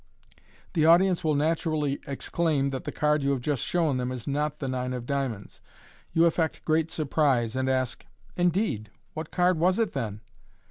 The audience will naturally exclaim that the card you have just shown them is not the nine of diamonds. You affect great surprise, and ask, " Indeed, what card was it then